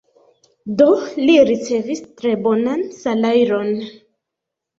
Do li ricevis tre bonan salajron.